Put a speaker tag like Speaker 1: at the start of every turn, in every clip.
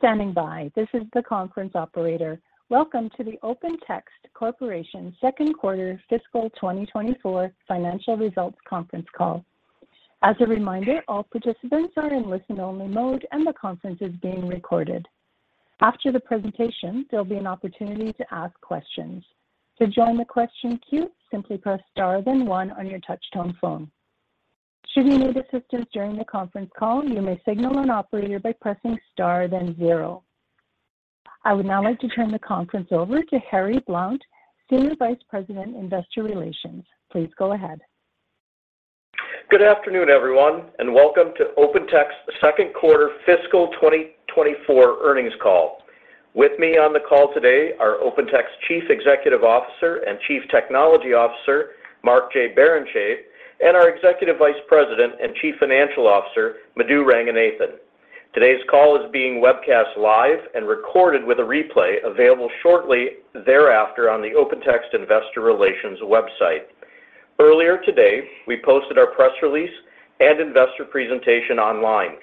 Speaker 1: Thank you for standing by. This is the conference operator. Welcome to the OpenText Corporation Second Quarter Fiscal 2024 Financial Results Conference Call. As a reminder, all participants are in listen-only mode, and the conference is being recorded. After the presentation, there'll be an opportunity to ask questions. To join the question queue, simply press Star, then one on your touchtone phone. Should you need assistance during the conference call, you may signal an operator by pressing Star, then zero. I would now like to turn the conference over to Harry Blount, Senior Vice President, Investor Relations. Please go ahead.
Speaker 2: Good afternoon, everyone, and welcome to OpenText Second Quarter Fiscal 2024 Earnings Call. With me on the call today are OpenText Chief Executive Officer and Chief Technology Officer, Mark J. Barrenechea, and our Executive Vice President and Chief Financial Officer, Madhu Ranganathan. Today's call is being webcast live and recorded with a replay available shortly thereafter on the OpenText Investor Relations website. Earlier today, we posted our press release and investor presentation online.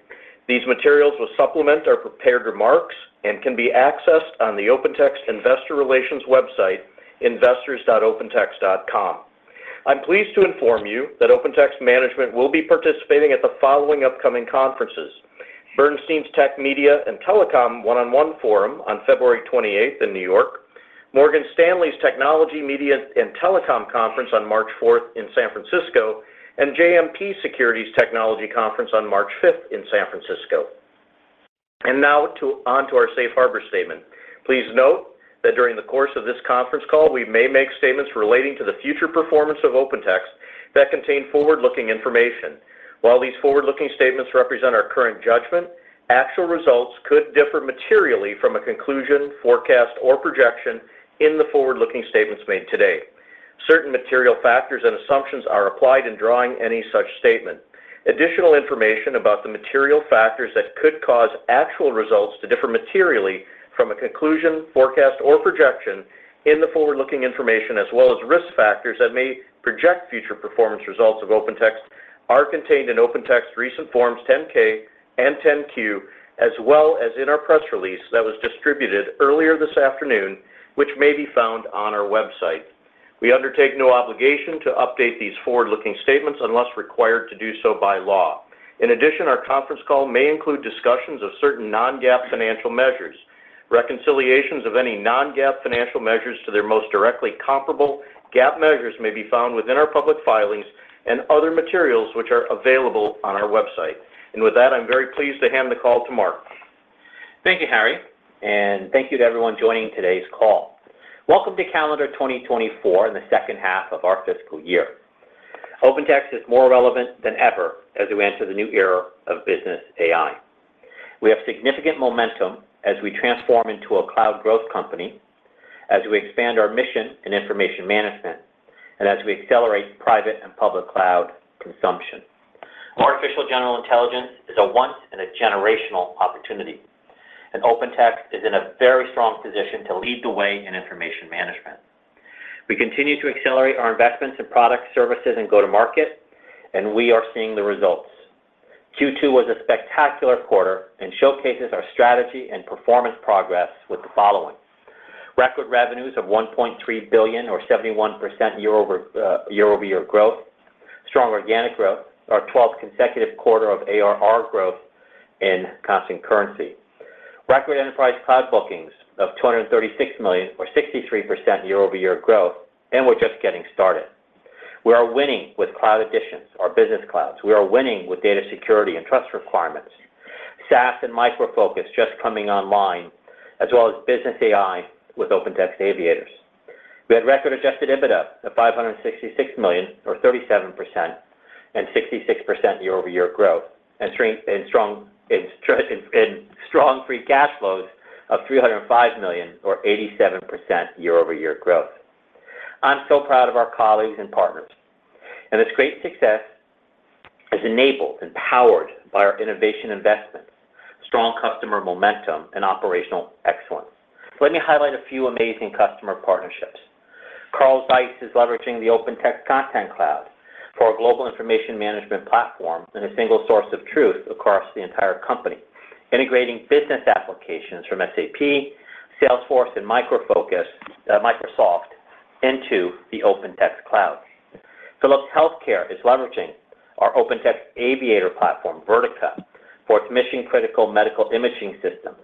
Speaker 2: These materials will supplement our prepared remarks and can be accessed on the OpenText Investor Relations website, investors.opentext.com. I'm pleased to inform you that OpenText management will be participating at the following upcoming conferences: Bernstein's Tech, Media, and Telecom One-on-One Forum on February 28th in New York, Morgan Stanley's Technology, Media, and Telecom Conference on March 4th in San Francisco, and JMP Securities Technology Conference on March 5th in San Francisco. Now on to our safe harbor statement. Please note that during the course of this conference call, we may make statements relating to the future performance of OpenText that contain forward-looking information. While these forward-looking statements represent our current judgment, actual results could differ materially from a conclusion, forecast, or projection in the forward-looking statements made today. Certain material factors and assumptions are applied in drawing any such statement. Additional information about the material factors that could cause actual results to differ materially from a conclusion, forecast, or projection in the forward-looking information, as well as risk factors that may project future performance results of OpenText, are contained in OpenText's recent Forms 10-K and 10-Q, as well as in our press release that was distributed earlier this afternoon, which may be found on our website. We undertake no obligation to update these forward-looking statements unless required to do so by law. In addition, our conference call may include discussions of certain non-GAAP financial measures. Reconciliations of any non-GAAP financial measures to their most directly comparable GAAP measures may be found within our public filings and other materials, which are available on our website. With that, I'm very pleased to hand the call to Mark.
Speaker 3: Thank you, Harry, and thank you to everyone joining today's call. Welcome to calendar 2024 and the second half of our fiscal year. OpenText is more relevant than ever as we enter the new era of business AI. We have significant momentum as we transform into a cloud growth company, as we expand our mission in information management, and as we accelerate private and public cloud consumption. Artificial general intelligence is a once in a generational opportunity, and OpenText is in a very strong position to lead the way in information management. We continue to accelerate our investments in products, services, and go-to-market, and we are seeing the results. Q2 was a spectacular quarter and showcases our strategy and performance progress with the following: record revenues of $1.3 billion or 71% year-over-year growth, strong organic growth, our twelfth consecutive quarter of ARR growth in constant currency, record enterprise cloud bookings of $236 million or 63% year-over-year growth, and we're just getting started. We are winning with cloud additions, our business clouds. We are winning with data security and trust requirements. SaaS and Micro Focus just coming online, as well as business AI with OpenText Aviators. We had record adjusted EBITDA of $566 million, or 37% and 66% year-over-year growth, and strong free cash flows of $305 million or 87% year-over-year growth. I'm so proud of our colleagues and partners, and this great success is enabled and powered by our innovation investments, strong customer momentum, and operational excellence. Let me highlight a few amazing customer partnerships. Carlsberg is leveraging the OpenText Content Cloud for our global information management platform and a single source of truth across the entire company, integrating business applications from SAP, Salesforce, and Micro Focus, Microsoft into the OpenText Cloud. Philips Healthcare is leveraging our OpenText Aviator platform, Vertica, for its mission-critical medical imaging systems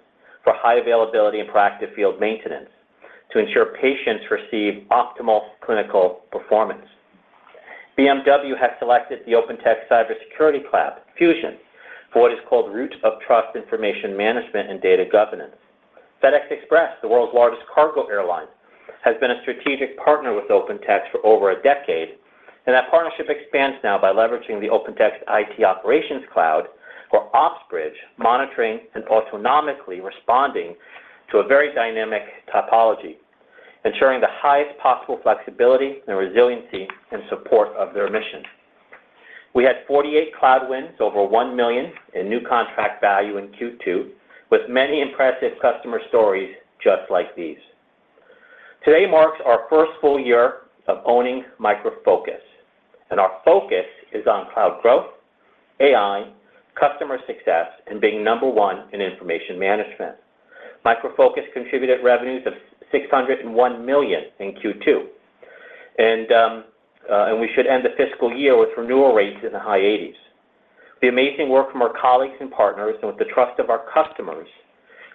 Speaker 3: for high availability and proactive field maintenance to ensure patients receive optimal clinical performance. BMW has selected the OpenText Cybersecurity Cloud, Fusion, for what is called Root of Trust, Information Management, and Data Governance. FedEx Express, the world's largest cargo airline, has been a strategic partner with OpenText for over a decade, and that partnership expands now by leveraging the OpenText IT Operations Cloud for OpsBridge, monitoring and autonomically responding to a very dynamic topology, ensuring the highest possible flexibility and resiliency in support of their mission. We had 48 cloud wins over $1 million in new contract value in Q2, with many impressive customer stories just like these. Today marks our first full year of owning Micro Focus, and our focus is on cloud growth, AI, customer success, and being number one in information management. Micro Focus contributed revenues of $601 million in Q2, and we should end the fiscal year with renewal rates in the high 80s%. The amazing work from our colleagues and partners, and with the trust of our customers,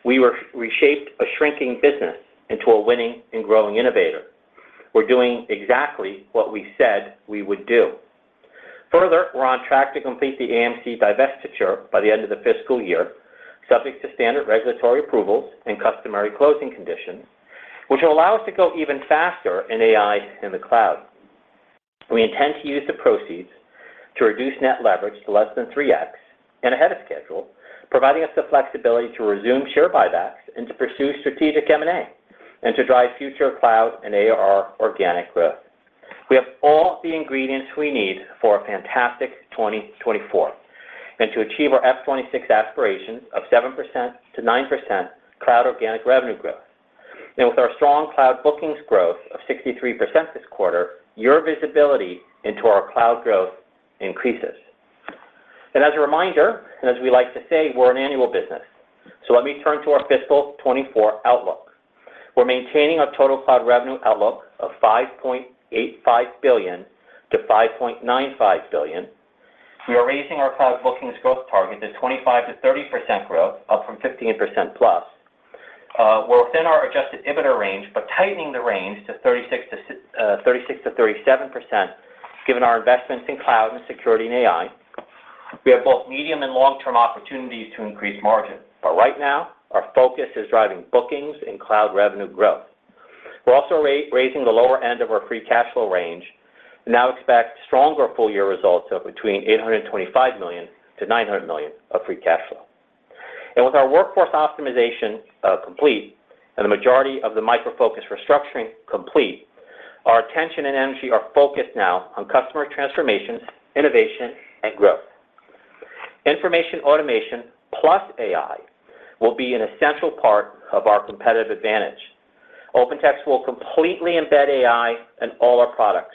Speaker 3: we shaped a shrinking business into a winning and growing innovator. We're doing exactly what we said we would do. Further, we're on track to complete the AMC divestiture by the end of the fiscal year, subject to standard regulatory approvals and customary closing conditions, which will allow us to go even faster in AI in the cloud. We intend to use the proceeds to reduce net leverage to less than 3x, and ahead of schedule, providing us the flexibility to resume share buybacks and to pursue strategic M&A, and to drive future cloud and ARR organic growth. We have all the ingredients we need for a fantastic 2024, and to achieve our FY 2026 aspirations of 7%-9% cloud organic revenue growth. And with our strong cloud bookings growth of 63% this quarter, your visibility into our cloud growth increases. And as a reminder, and as we like to say, we're an annual business, so let me turn to our fiscal 2024 outlook. We're maintaining our total cloud revenue outlook of $5.85 billion-$5.95 billion. We are raising our cloud bookings growth target to 25%-30% growth, up from 15%+. We're within our Adjusted EBITDA range, but tightening the range to 36%-37%, given our investments in cloud and security and AI. We have both medium and long-term opportunities to increase margin, but right now, our focus is driving bookings and cloud revenue growth. We're also raising the lower end of our free cash flow range, and now expect stronger full year results of between $825 million-$900 million of free cash flow. And with our workforce optimization complete, and the majority of the Micro Focus restructuring complete, our attention and energy are focused now on customer transformations, innovation, and growth. Information automation plus AI will be an essential part of our competitive advantage. OpenText will completely embed AI in all our products.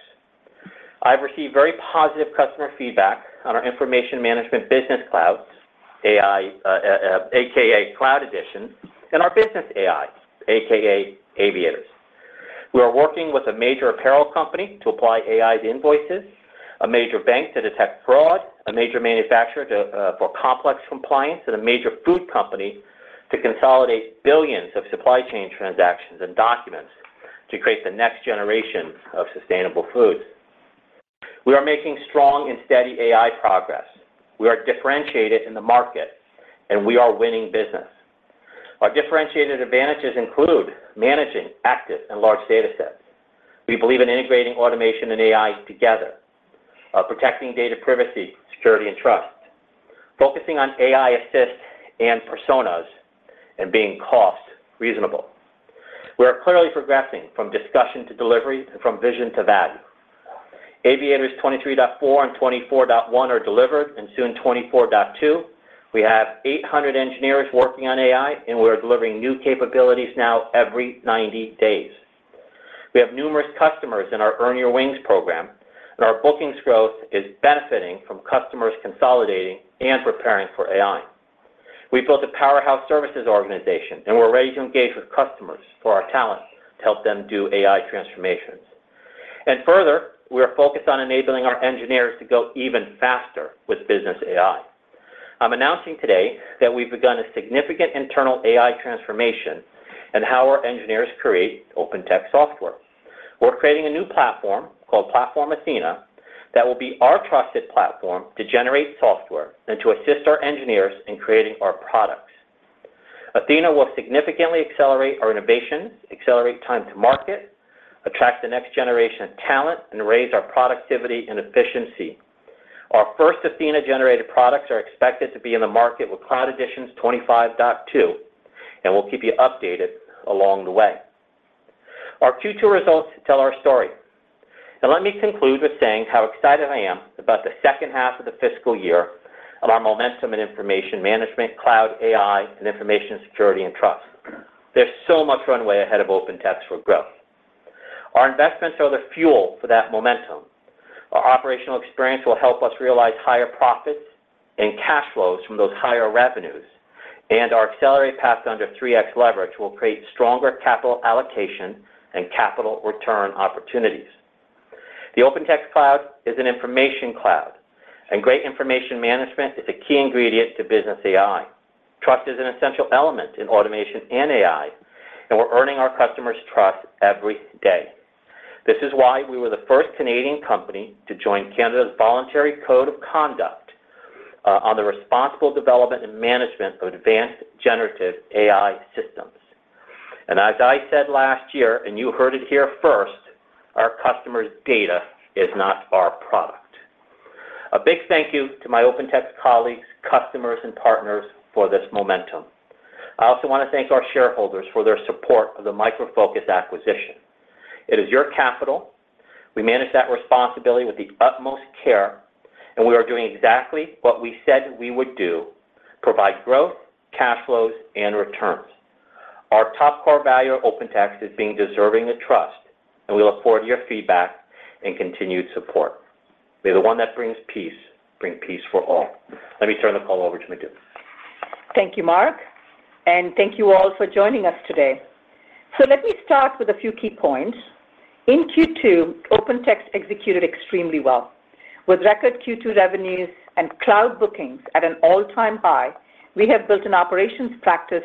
Speaker 3: I've received very positive customer feedback on our information management business clouds, AI, AKA Cloud Edition, and our business AI, AKA Aviators. We are working with a major apparel company to apply AI to invoices, a major bank to detect fraud, a major manufacturer to for complex compliance, and a major food company to consolidate billions of supply chain transactions and documents to create the next generation of sustainable food. We are making strong and steady AI progress. We are differentiated in the market, and we are winning business. Our differentiated advantages include managing active and large datasets. We believe in integrating automation and AI together, protecting data privacy, security, and trust, focusing on AI assist and personas, and being cost reasonable. We are clearly progressing from discussion to delivery, and from vision to value. Aviator 23.4 and 24.1 are delivered, and soon 24.2. We have 800 engineers working on AI, and we are delivering new capabilities now every 90 days. We have numerous customers in our Earn Your Wings program, and our bookings growth is benefiting from customers consolidating and preparing for AI. We've built a powerhouse services organization, and we're ready to engage with customers for our talent to help them do AI transformations. Further, we are focused on enabling our engineers to go even faster with business AI. I'm announcing today that we've begun a significant internal AI transformation in how our engineers create OpenText software. We're creating a new platform, called Platform Athena, that will be our trusted platform to generate software and to assist our engineers in creating our products. Athena will significantly accelerate our innovations, accelerate time to market, attract the next generation of talent, and raise our productivity and efficiency. Our first Athena-generated products are expected to be in the market with Cloud Editions 25.2, and we'll keep you updated along the way. Our Q2 results tell our story. Let me conclude with saying how excited I am about the second half of the fiscal year and our momentum in information management, cloud, AI, and information security and trust. There's so much runway ahead of OpenText for growth. Our investments are the fuel for that momentum. Our operational experience will help us realize higher profits and cash flows from those higher revenues, and our accelerated path under 3x leverage will create stronger capital allocation and capital return opportunities. The OpenText cloud is an information cloud, and great information management is a key ingredient to business AI. Trust is an essential element in automation and AI, and we're earning our customers' trust every day. This is why we were the first Canadian company to join Canada's voluntary code of conduct on the responsible development and management of advanced generative AI systems. And as I said last year, and you heard it here first, our customers' data is not our product. A big thank you to my OpenText colleagues, customers, and partners for this momentum. I also want to thank our shareholders for their support of the Micro Focus acquisition. It is your capital. We manage that responsibility with the utmost care, and we are doing exactly what we said we would do: provide growth, cash flows, and returns. Our top core value at OpenText is being deserving of trust, and we look forward to your feedback and continued support. May the one that brings peace, bring peace for all. Let me turn the call over to Madhu.
Speaker 4: Thank you, Mark, and thank you all for joining us today. So let me start with a few key points. In Q2, OpenText executed extremely well. With record Q2 revenues and cloud bookings at an all-time high, we have built an operations practice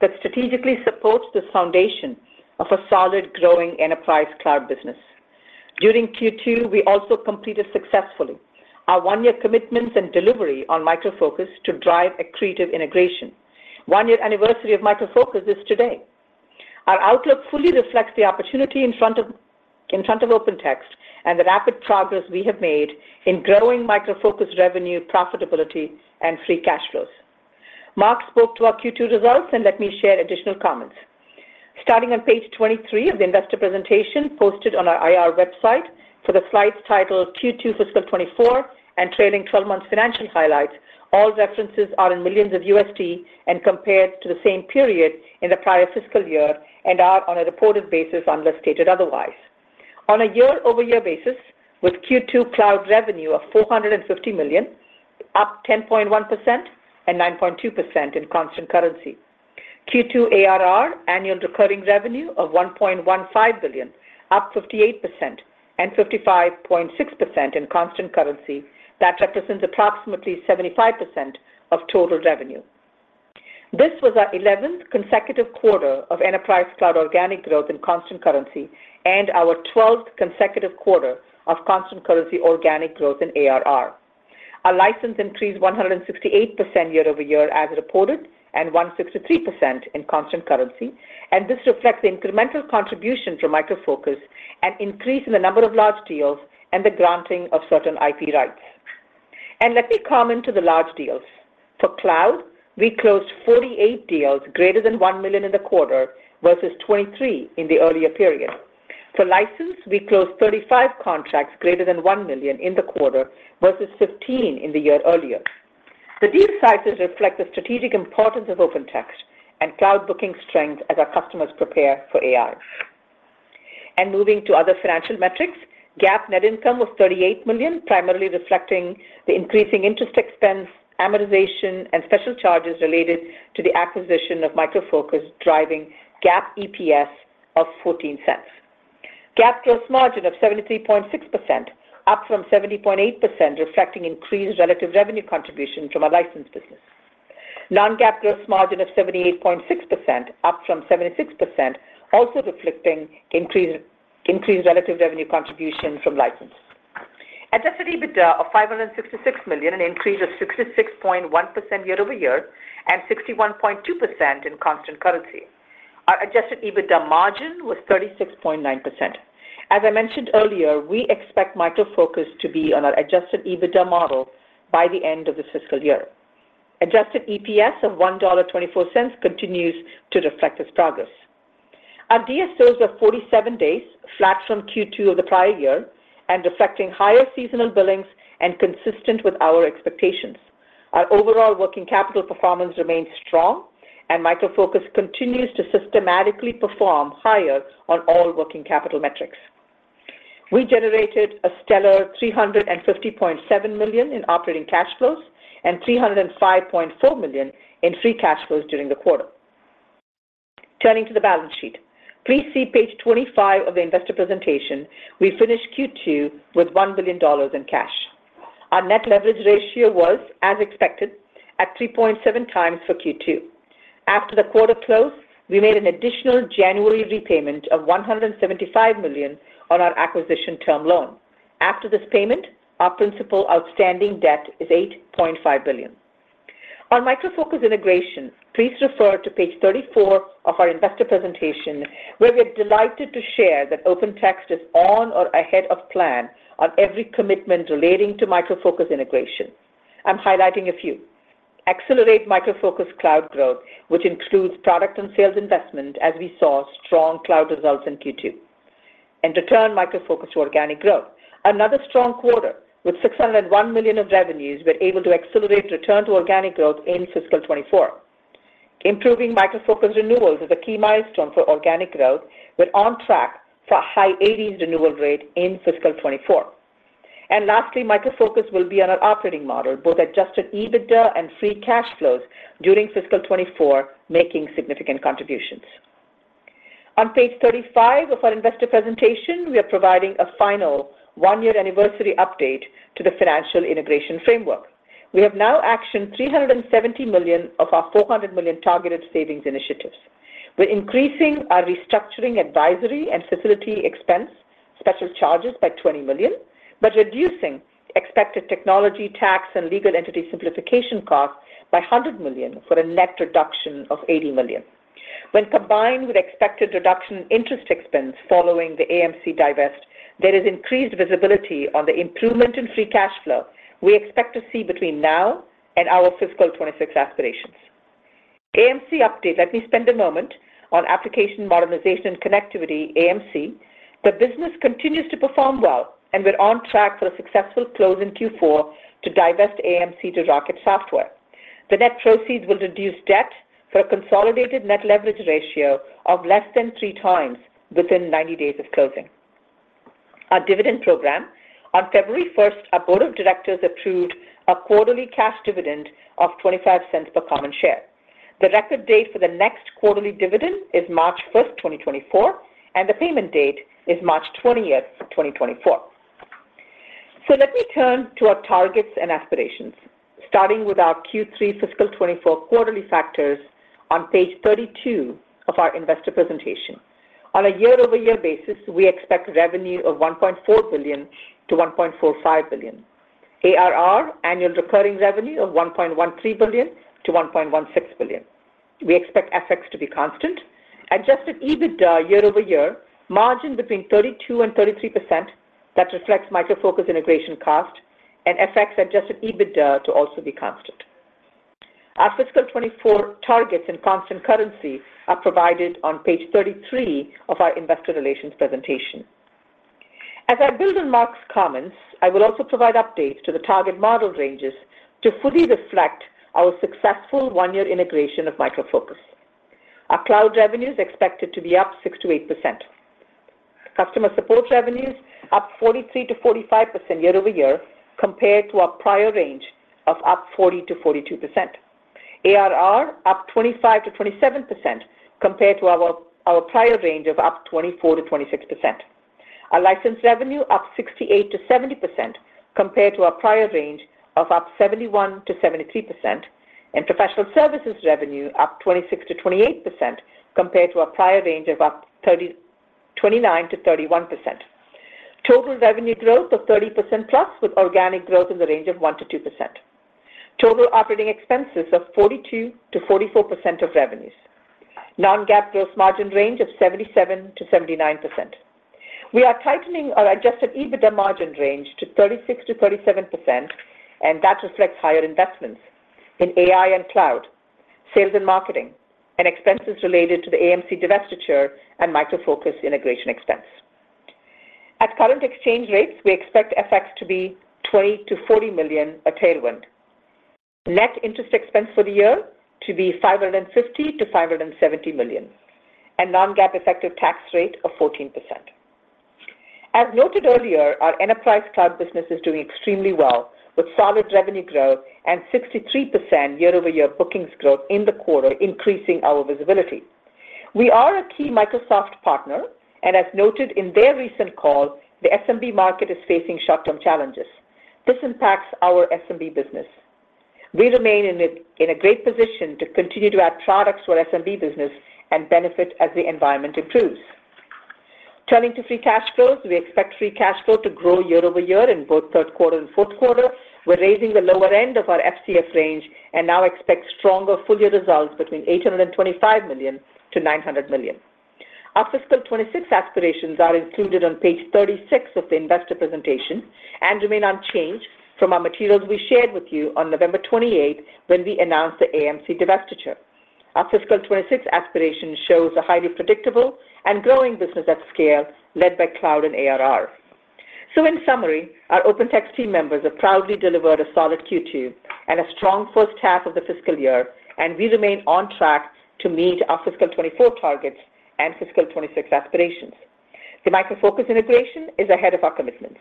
Speaker 4: that strategically supports the foundation of a solid, growing enterprise cloud business. During Q2, we also completed successfully our one-year commitments and delivery on Micro Focus to drive accretive integration. One-year anniversary of Micro Focus is today. Our outlook fully reflects the opportunity in front of, in front of OpenText and the rapid progress we have made in growing Micro Focus revenue, profitability, and free cash flows. Mark spoke to our Q2 results, and let me share additional comments. Starting on page 23 of the investor presentation posted on our IR website for the slides titled Q2 Fiscal 2024 and trailing twelve-month financial highlights, all references are in millions of USD and compared to the same period in the prior fiscal year and are on a reported basis, unless stated otherwise. On a year-over-year basis, with Q2 cloud revenue of $450 million, up 10.1% and 9.2% in constant currency. Q2 ARR, annual recurring revenue, of $1.15 billion, up 58% and 55.6% in constant currency. That represents approximately 75% of total revenue. This was our 11th consecutive quarter of enterprise cloud organic growth in constant currency and our 12th consecutive quarter of constant currency organic growth in ARR. Our license increased 168% year-over-year as reported, and 163% in constant currency, and this reflects the incremental contribution from Micro Focus, an increase in the number of large deals, and the granting of certain IP rights. And let me comment to the large deals. For cloud, we closed 48 deals greater than $1 million in the quarter, versus 23 in the earlier period. For license, we closed 35 contracts greater than $1 million in the quarter, versus 15 in the year earlier. The deal sizes reflect the strategic importance of OpenText and cloud booking strength as our customers prepare for AI. And moving to other financial metrics, GAAP net income was $38 million, primarily reflecting the increasing interest expense, amortization, and special charges related to the acquisition of Micro Focus, driving GAAP EPS of $0.14. GAAP gross margin of 73.6%, up from 70.8%, reflecting increased relative revenue contribution from our license business. Non-GAAP gross margin of 78.6%, up from 76%, also reflecting increased relative revenue contribution from license. Adjusted EBITDA of $566 million, an increase of 66.1% year over year and 61.2% in constant currency. Our adjusted EBITDA margin was 36.9%. As I mentioned earlier, we expect Micro Focus to be on our adjusted EBITDA model by the end of the fiscal year. Adjusted EPS of $1.24 continues to reflect this progress. Our DSOs of 47 days, flat from Q2 of the prior year and reflecting higher seasonal billings and consistent with our expectations. Our overall working capital performance remains strong, and Micro Focus continues to systematically perform higher on all working capital metrics. We generated a stellar $350.7 million in operating cash flows and $305.4 million in free cash flows during the quarter. Turning to the balance sheet, please see page 25 of the investor presentation. We finished Q2 with $1 billion in cash. Our net leverage ratio was, as expected, at 3.7 times for Q2. After the quarter close, we made an additional January repayment of $175 million on our acquisition term loan. After this payment, our principal outstanding debt is $8.5 billion. On Micro Focus integration, please refer to page 34 of our investor presentation, where we are delighted to share that OpenText is on or ahead of plan on every commitment relating to Micro Focus integration. I'm highlighting a few. Accelerate Micro Focus cloud growth, which includes product and sales investment, as we saw strong cloud results in Q2. And return Micro Focus to organic growth. Another strong quarter with $601 million of revenues, we're able to accelerate return to organic growth in fiscal 2024. Improving Micro Focus renewals is a key milestone for organic growth. We're on track for a high 80s renewal rate in fiscal 2024. And lastly, Micro Focus will be on our operating model, both Adjusted EBITDA and free cash flows during fiscal 2024, making significant contributions. On page 35 of our investor presentation, we are providing a final one-year anniversary update to the financial integration framework. We have now actioned $370 million of our $400 million targeted savings initiatives. We're increasing our restructuring, advisory, and facility expense special charges by $20 million, but reducing expected technology, tax, and legal entity simplification costs by $100 million for a net reduction of $80 million. When combined with expected reduction in interest expense following the AMC divest, there is increased visibility on the improvement in free cash flow we expect to see between now and our fiscal 2026 aspirations.... AMC update. Let me spend a moment on Application Modernization and Connectivity, AMC. The business continues to perform well, and we're on track for a successful close in Q4 to divest AMC to Rocket Software. The net proceeds will reduce debt for a consolidated net leverage ratio of less than 3x within 90 days of closing. Our dividend program. On February 1, our board of directors approved a quarterly cash dividend of $0.25 per common share. The record date for the next quarterly dividend is March 1, 2024, and the payment date is March 20, 2024. So let me turn to our targets and aspirations, starting with our Q3 fiscal 2024 quarterly factors on page 32 of our investor presentation. On a year-over-year basis, we expect revenue of $1.4 billion-$1.45 billion. ARR, annual recurring revenue, of $1.13 billion-$1.16 billion. We expect FX to be constant. Adjusted EBITDA year over year, margin between 32% and 33%. That reflects Micro Focus integration cost and FX adjusted EBITDA to also be constant. Our fiscal 2024 targets in constant currency are provided on page 33 of our investor relations presentation. As I build on Mark's comments, I will also provide updates to the target model ranges to fully reflect our successful 1-year integration of Micro Focus. Our cloud revenue is expected to be up 6%-8%. Customer support revenues up 43%-45% year-over-year, compared to our prior range of up 40%-42%. ARR up 25%-27%, compared to our prior range of up 24%-26%. Our license revenue up 68%-70%, compared to our prior range of up 71%-73%. And professional services revenue up 26%-28%, compared to our prior range of up 29%-31%. Total revenue growth of 30%+, with organic growth in the range of 1%-2%. Total operating expenses of 42%-44% of revenues. Non-GAAP gross margin range of 77%-79%. We are tightening our adjusted EBITDA margin range to 36%-37%, and that reflects higher investments in AI and cloud, sales and marketing, and expenses related to the AMC divestiture and Micro Focus integration expense. At current exchange rates, we expect effects to be $20 million-$40 million, a tailwind. Net interest expense for the year to be $550 million-$570 million, and non-GAAP effective tax rate of 14%. As noted earlier, our enterprise cloud business is doing extremely well, with solid revenue growth and 63% year-over-year bookings growth in the quarter, increasing our visibility. We are a key Microsoft partner, and as noted in their recent call, the SMB market is facing short-term challenges. This impacts our SMB business. We remain in a great position to continue to add products for SMB business and benefit as the environment improves. Turning to free cash flows, we expect free cash flow to grow year-over-year in both third quarter and fourth quarter. We're raising the lower end of our FCF range and now expect stronger full year results between $825 million-$900 million. Our fiscal 2026 aspirations are included on page 36 of the investor presentation and remain unchanged from our materials we shared with you on November 28, when we announced the AMC divestiture. Our fiscal 2026 aspiration shows a highly predictable and growing business at scale, led by cloud and ARR. So in summary, our OpenText team members have proudly delivered a solid Q2 and a strong first half of the fiscal year, and we remain on track to meet our fiscal 2024 targets and fiscal 2026 aspirations. The Micro Focus integration is ahead of our commitments,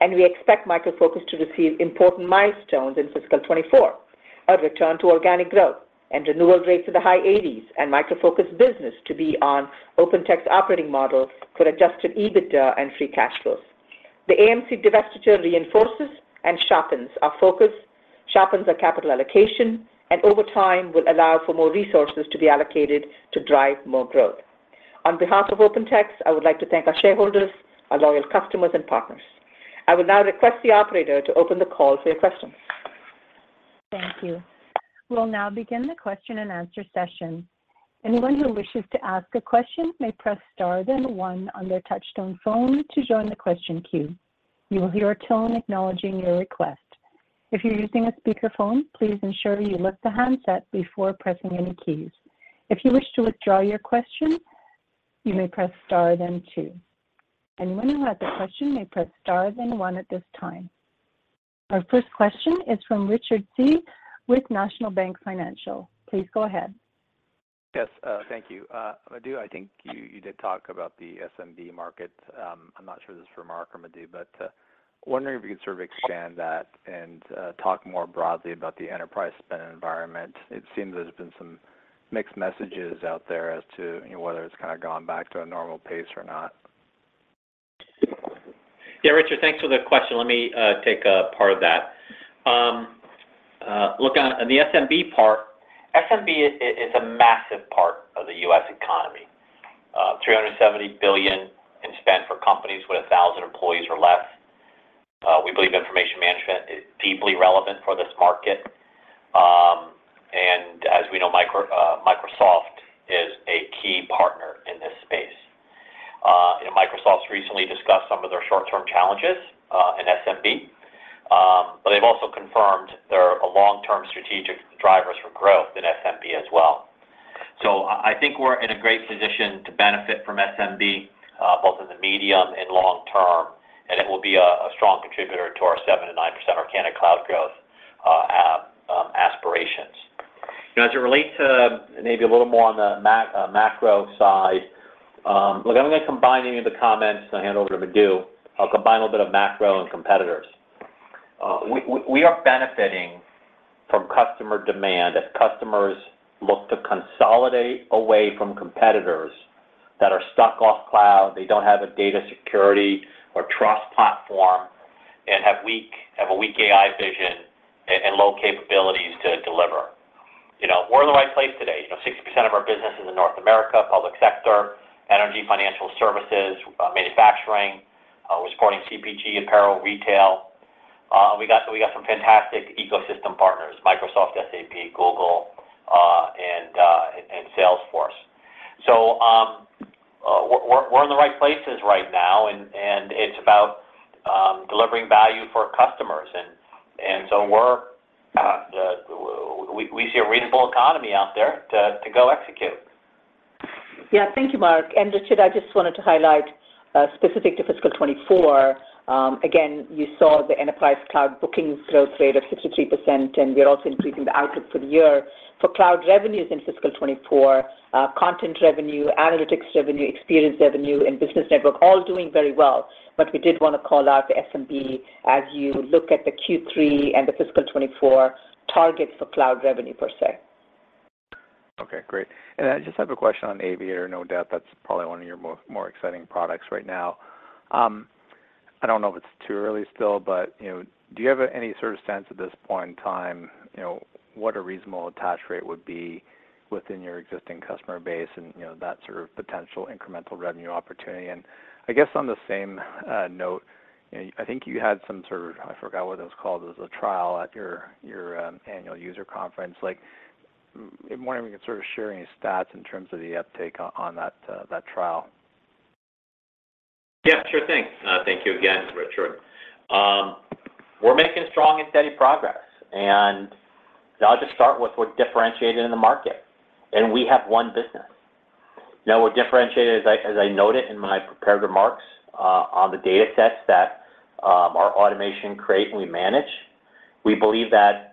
Speaker 4: and we expect Micro Focus to receive important milestones in fiscal 2024, a return to organic growth and renewal rates of the high 80s%, and Micro Focus business to be on OpenText operating model for Adjusted EBITDA and free cash flows. The AMC divestiture reinforces and sharpens our focus, sharpens our capital allocation, and over time, will allow for more resources to be allocated to drive more growth. On behalf of OpenText, I would like to thank our shareholders, our loyal customers, and partners. I will now request the operator to open the call for your questions.
Speaker 1: Thank you. We'll now begin the question and answer session. Anyone who wishes to ask a question may press star, then one on their touchtone phone to join the question queue. You will hear a tone acknowledging your request. If you're using a speakerphone, please ensure you lift the handset before pressing any keys. If you wish to withdraw your question, you may press star then two. Anyone who has a question may press star then one at this time. Our first question is from Richard Tse with National Bank Financial. Please go ahead.
Speaker 5: Yes, thank you. Madhu, I think you did talk about the SMB market. I'm not sure if this is for Mark or Madhu, but wondering if you could sort of expand that and talk more broadly about the enterprise spend environment. It seems there's been some mixed messages out there as to whether it's kind of gone back to a normal pace or not.
Speaker 3: Yeah, Richard, thanks for the question. Let me take part of that. Look, on the SMB part, SMB is a massive part of the U.S. economy. $370 billion in spend for companies with 1,000 employees or less. We believe information management is deeply relevant for this market. And as we know, Microsoft is a key partner in this space. And Microsoft's recently discussed some of their short-term challenges in SMB, but they've also confirmed there are a long-term strategic drivers for growth in SMB as well. So I think we're in a great position to benefit from SMB, both in the medium and long term, and it will be a strong contributor to our 7%-9% organic cloud growth aspirations. As it relates to maybe a little more on the macro side, look, I'm gonna combine any of the comments and hand over to Madhu. I'll combine a little bit of macro and competitors. We are benefiting from customer demand as customers look to consolidate away from competitors that are stuck off cloud, they don't have a data security or trust platform, and have a weak AI vision and low capabilities to deliver. You know, we're in the right place today. You know, 60% of our business is in North America, public sector, energy, financial services, manufacturing, we're supporting CPG, apparel, retail. So we got some fantastic ecosystem partners, Microsoft, SAP, Google, and Salesforce. So, we're in the right places right now, and it's about delivering value for our customers. And so we see a reasonable economy out there to go execute.
Speaker 4: Yeah. Thank you, Mark. And Richard, I just wanted to highlight, specific to fiscal 2024, again, you saw the enterprise cloud bookings growth rate of 63%, and we are also increasing the outlook for the year. For cloud revenues in fiscal 2024, content revenue, analytics revenue, experience revenue, and business network, all doing very well. But we did want to call out the SMB as you look at the Q3 and the fiscal 2024 targets for cloud revenue per se.
Speaker 5: Okay, great. I just have a question on Aviator. No doubt that's probably one of your more, more exciting products right now. I don't know if it's too early still, but, you know, do you have any sort of sense at this point in time, you know, what a reasonable attach rate would be within your existing customer base and, you know, that sort of potential incremental revenue opportunity? I guess on the same note, you know, I think you had some sort of... I forgot what it was called, it was a trial at your annual user conference. Like, I'm wondering if you could sort of share any stats in terms of the uptake on that trial?
Speaker 3: Yeah, sure thing. Thank you again, Richard. We're making strong and steady progress, and I'll just start with what's differentiated in the market, and we have one business. Now, we're differentiated, as I noted in my prepared remarks, on the data sets that our automation create and we manage. We believe that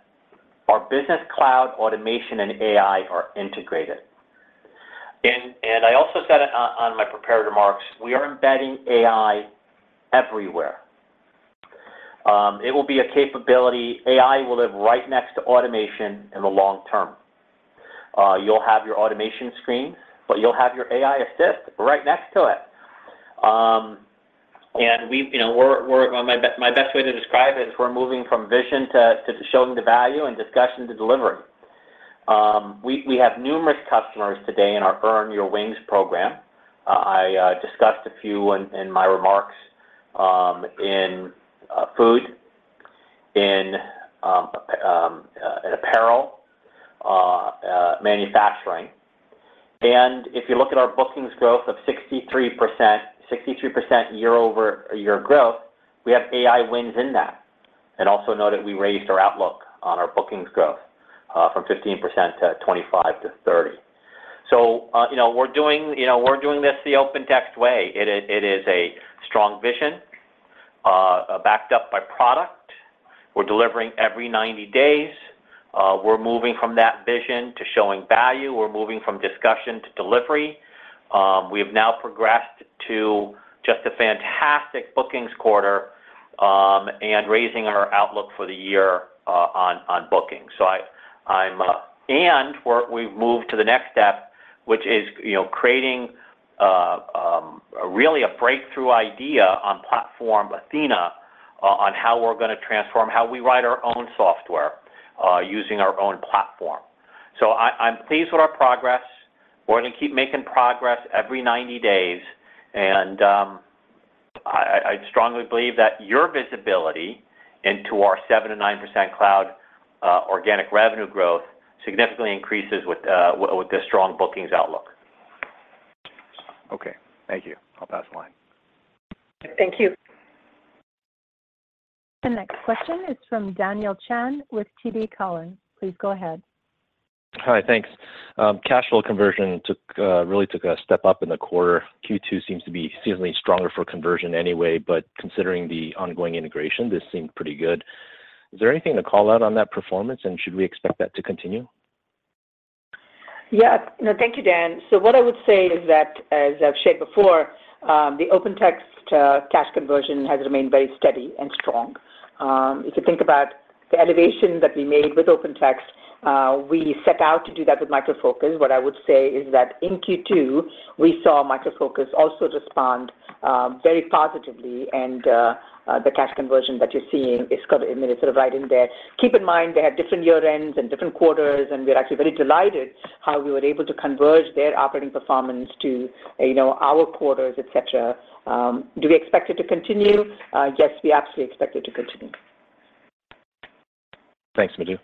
Speaker 3: our business cloud, automation, and AI are integrated. And I also said it on my prepared remarks, we are embedding AI everywhere. It will be a capability. AI will live right next to automation in the long term. You'll have your automation screen, but you'll have your AI assist right next to it. And we've, you know, we're. Well, my best way to describe it is we're moving from vision to showing the value and discussion to delivery. We have numerous customers today in our Earn Your Wings program. I discussed a few in my remarks, in food, in apparel, manufacturing. And if you look at our bookings growth of 63%, 63% year-over-year growth, we have AI wins in that. And also note that we raised our outlook on our bookings growth from 15% to 25%-30%. So, you know, we're doing this the OpenText way. It is a strong vision backed up by product. We're delivering every 90 days. We're moving from that vision to showing value. We're moving from discussion to delivery. We have now progressed to just a fantastic bookings quarter and raising our outlook for the year on bookings. So I'm. And we've moved to the next step, which is, you know, creating really a breakthrough idea on Platform Athena, on how we're gonna transform, how we write our own software, using our own platform. So I'm pleased with our progress. We're gonna keep making progress every 90 days, and I strongly believe that your visibility into our 7%-9% cloud organic revenue growth significantly increases with, with the strong bookings outlook.
Speaker 5: Okay, thank you. I'll pass the line.
Speaker 4: Thank you.
Speaker 1: The next question is from Daniel Chan with TD Cowen. Please go ahead.
Speaker 6: Hi, thanks. Cash flow conversion really took a step up in the quarter. Q2 seems to be seemingly stronger for conversion anyway, but considering the ongoing integration, this seemed pretty good. Is there anything to call out on that performance, and should we expect that to continue?
Speaker 4: Yeah. No, thank you, Dan. So what I would say is that, as I've shared before, the OpenText cash conversion has remained very steady and strong. If you think about the elevations that we made with OpenText, we set out to do that with Micro Focus. What I would say is that in Q2, we saw Micro Focus also respond very positively, and the cash conversion that you're seeing is kind of, I mean, is sort of right in there. Keep in mind, they had different year ends and different quarters, and we're actually very delighted how we were able to converge their operating performance to, you know, our quarters, et cetera. Do we expect it to continue? Yes, we actually expect it to continue. ...
Speaker 6: Thanks, Madhu.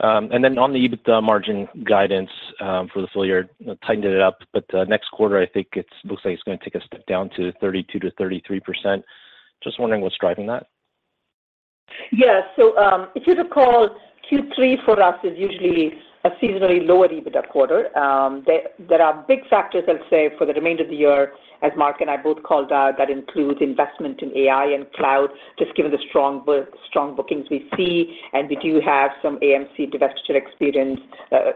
Speaker 6: And then on the EBITDA margin guidance, for the full year, tightened it up, but, next quarter, I think it looks like it's gonna take a step down to 32%-33%. Just wondering what's driving that?
Speaker 4: Yeah. So, if you recall, Q3 for us is usually a seasonally lower EBITDA quarter. There are big factors, I'd say, for the remainder of the year, as Mark and I both called out, that includes investment in AI and cloud, just given the strong book, strong bookings we see, and we do have some AMC divestiture experience,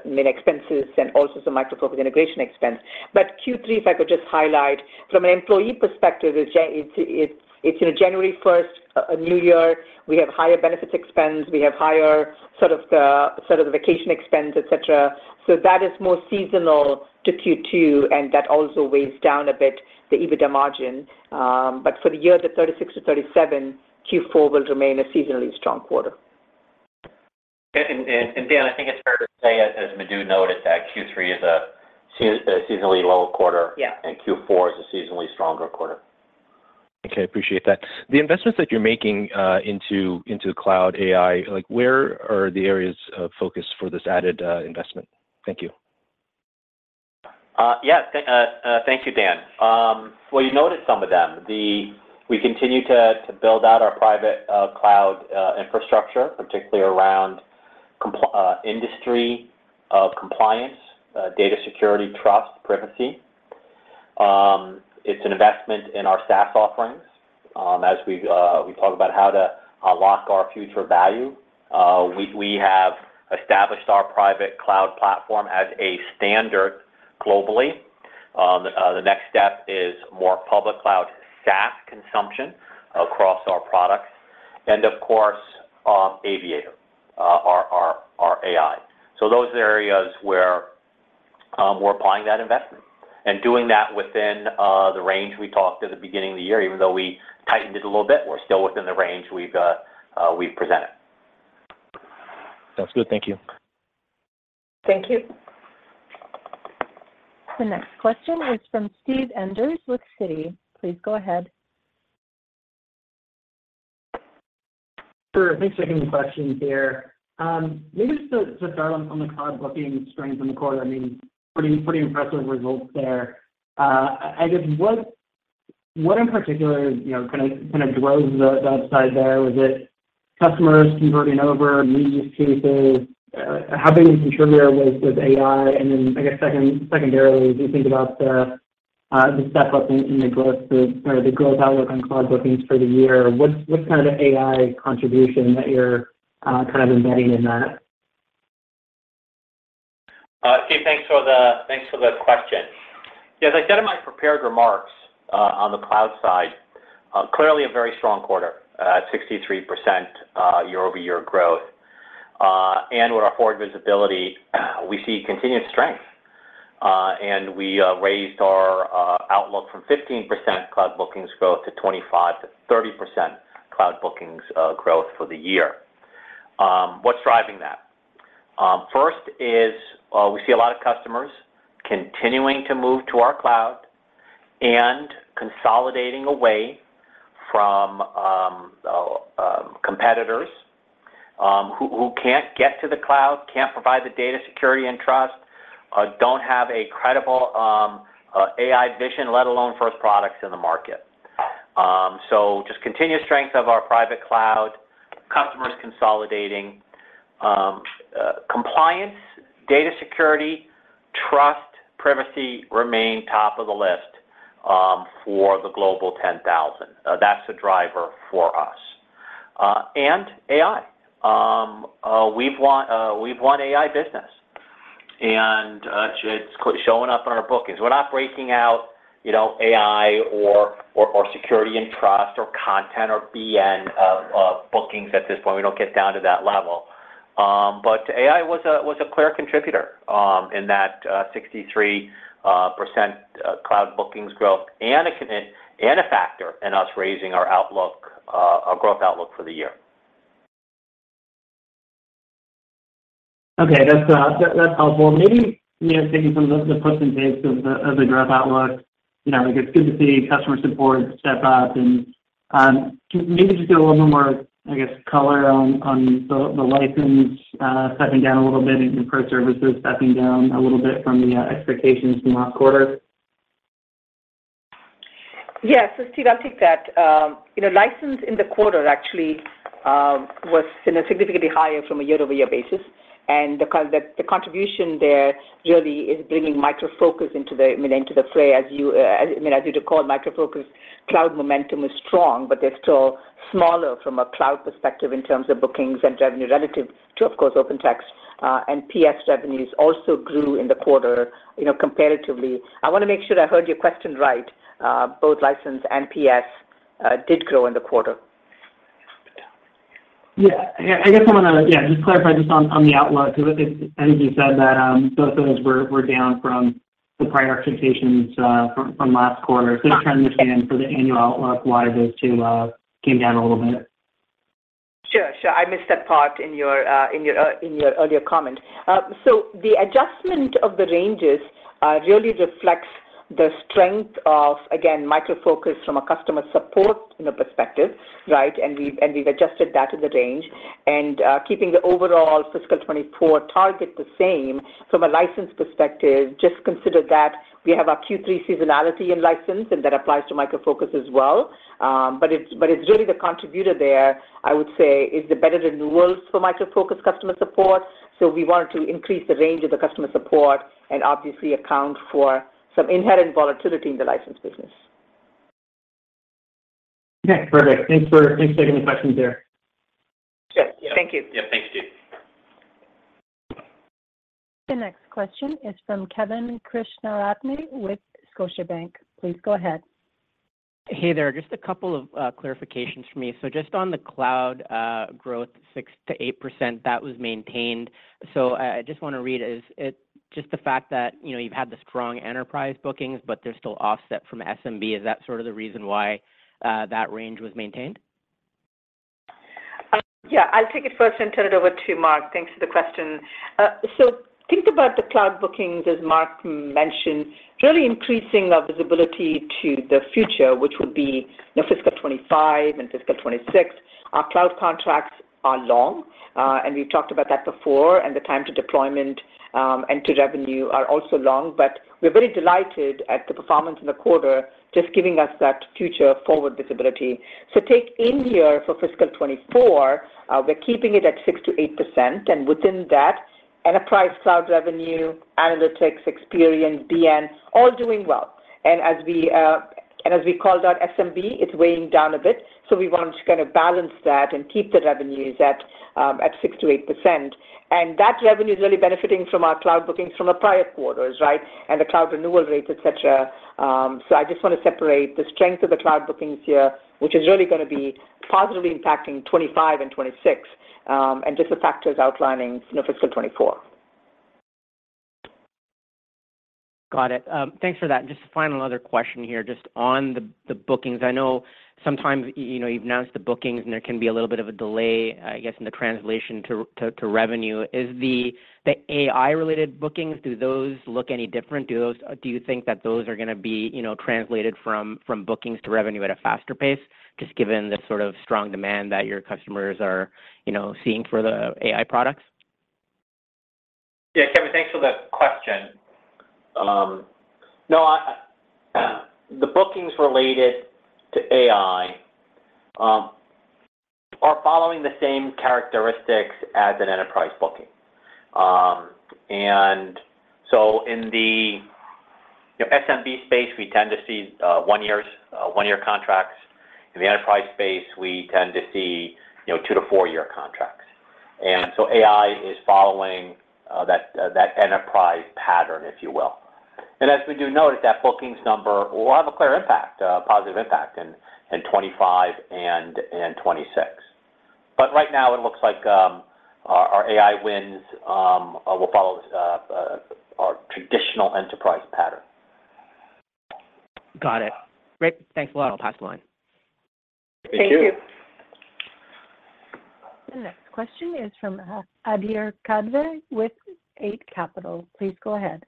Speaker 4: mean expenses and also some Micro Focus integration expense. But Q3, if I could just highlight, from an employee perspective, it's January first, a new year. We have higher benefits expense, we have higher sort of, sort of vacation expense, et cetera. So that is more seasonal to Q2, and that also weighs down a bit the EBITDA margin. But for the year, the 36%-37%, Q4 will remain a seasonally strong quarter.
Speaker 3: Dan, I think it's fair to say, as Madhu noted, that Q3 is a seasonally lower quarter.
Speaker 4: Yeah.
Speaker 3: Q4 is a seasonally stronger quarter.
Speaker 6: Okay, appreciate that. The investments that you're making into cloud AI, like where are the areas of focus for this added investment? Thank you.
Speaker 3: Yeah, thank you, Dan. Well, you noticed some of them. We continue to build out our private cloud infrastructure, particularly around industry compliance, data security, trust, privacy. It's an investment in our SaaS offerings. As we talk about how to unlock our future value, we have established our private cloud platform as a standard globally. The next step is more public cloud SaaS consumption across our products, and of course, Aviator, our AI. So those are the areas where we're applying that investment. And doing that within the range we talked at the beginning of the year, even though we tightened it a little bit, we're still within the range we've presented.
Speaker 6: Sounds good. Thank you.
Speaker 4: Thank you.
Speaker 1: The next question is from Steve Enders with Citi. Please go ahead.
Speaker 7: Sure. Thanks for taking the question here. Maybe just to start on the cloud booking strength in the quarter, I mean, pretty impressive results there. I guess what in particular, you know, kind of drove that side there? Was it customers converting over use cases? How big a contributor was AI? And then I guess secondarily, as you think about the step up in the growth, or the growth outlook on cloud bookings for the year, what's kind of the AI contribution that you're kind of embedding in that?
Speaker 3: Steve, thanks for the question. Yeah, as I said in my prepared remarks, on the cloud side, clearly a very strong quarter, 63% year-over-year growth. With our forward visibility, we see continued strength. We raised our outlook from 15% cloud bookings growth to 25%-30% cloud bookings growth for the year. What's driving that? First is, we see a lot of customers continuing to move to our cloud and consolidating away from competitors, who can't get to the cloud, can't provide the data security and trust, don't have a credible AI vision, let alone first products in the market. So just continued strength of our private cloud, customers consolidating. Compliance, data security, trust, privacy remain top of the list for the global 10,000. That's the driver for us. And AI. We've won AI business, and it's showing up in our bookings. We're not breaking out, you know, AI or security and trust, or content, or BN bookings at this point. We don't get down to that level. But AI was a clear contributor in that 63% cloud bookings growth, and a factor in us raising our outlook, our growth outlook for the year.
Speaker 7: Okay, that's, that, that's helpful. Maybe, you know, taking some of the, the puts and takes of the, of the growth outlook, you know, like it's good to see customer support step up, and, can maybe just give a little more, I guess, color on, on the, the license, stepping down a little bit and pro services stepping down a little bit from the, expectations from last quarter?
Speaker 4: Yeah. So Steve, I'll take that. You know, license in the quarter actually was, you know, significantly higher from a year-over-year basis, and because the contribution there really is bringing Micro Focus into the, I mean, into the play, as you I mean, as you recall, Micro Focus cloud momentum is strong, but they're still smaller from a cloud perspective in terms of bookings and revenue relative to, of course, OpenText. And PS revenues also grew in the quarter, you know, comparatively. I wanna make sure I heard your question right. Both License and PS did grow in the quarter.
Speaker 7: Yeah. I guess I wanna, yeah, just clarify just on the outlook, because I think you said that both of those were down from the prior expectations from last quarter. So just trying to understand for the annual outlook, why those two came down a little bit?
Speaker 4: Sure, sure. I missed that part in your earlier comment. So the adjustment of the ranges really reflects the strength of, again, Micro Focus from a customer support perspective, right? And we've adjusted that to the range. And keeping the overall fiscal 2024 target the same from a license perspective, just consider that we have our Q3 seasonality in license, and that applies to Micro Focus as well. But it's really the contributor there, I would say, is the better renewals for Micro Focus customer support. So we wanted to increase the range of the customer support and obviously account for some inherent volatility in the license business.
Speaker 7: Okay, perfect. Thanks for taking the questions there.
Speaker 4: Sure. Thank you.
Speaker 3: Yeah, thanks, Steve.
Speaker 1: The next question is from Kevin Krishnaratne with Scotiabank. Please go ahead.
Speaker 8: Hey there. Just a couple of clarifications for me. So just on the cloud growth, 6%-8%, that was maintained. So I just want to read, is it just the fact that, you know, you've had the strong enterprise bookings, but they're still offset from SMB? Is that sort of the reason why that range was maintained?
Speaker 4: Yeah, I'll take it first and turn it over to Mark. Thanks for the question. So think about the cloud bookings, as Mark mentioned, really increasing our visibility to the future, which would be, you know, fiscal 2025 and fiscal 2026. Our cloud contracts are long, and we've talked about that before, and the time to deployment and to revenue are also long, but we're very delighted at the performance in the quarter, just giving us that future forward visibility. So take in here for fiscal 2024, we're keeping it at 6%-8%, and within that, enterprise cloud revenue, analytics, experience, BN, all doing well. And as we called out, SMB, it's weighing down a bit, so we want to kind of balance that and keep the revenues at 6%-8%. That revenue is really benefiting from our cloud bookings from the prior quarters, right? And the cloud renewal rates, et cetera. So I just want to separate the strength of the cloud bookings here, which is really gonna be positively impacting 25 and 26, and just the factors outlining, you know, fiscal 24.
Speaker 8: Got it. Thanks for that. Just final another question here, just on the bookings. I know sometimes, you know, you've announced the bookings, and there can be a little bit of a delay, I guess, in the translation to revenue. Is the AI-related bookings, do those look any different? Do those do you think that those are gonna be, you know, translated from bookings to revenue at a faster pace, just given the sort of strong demand that your customers are, you know, seeing for the AI products?
Speaker 3: Yeah, Kevin, thanks for the question. No, the bookings related to AI are following the same characteristics as an enterprise booking. And so in the SMB space, we tend to see one-year contracts. In the enterprise space, we tend to see, you know, two- to four-year contracts. And so AI is following that enterprise pattern, if you will. And as we do note, that bookings number will have a clear impact, a positive impact in 2025 and 2026. But right now, it looks like our AI wins will follow our traditional enterprise pattern.
Speaker 8: Got it. Great. Thanks a lot. I'll pass the line.
Speaker 4: Thank you.
Speaker 3: Thank you.
Speaker 1: The next question is from Adhir Kadve with Eight Capital. Please go ahead.